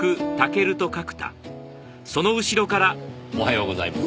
おはようございます。